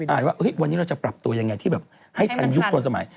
ว่าวันนี้เราจะปรับตัวยังไงที่แบบให้ทันยุคทันสมัย